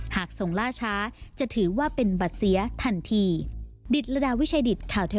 หากส่งล่าช้าจะถือว่าเป็นบัตรเสียทันที